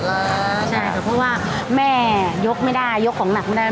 แม้แม่ยกไม่ได้ยกของหนักไม่ได้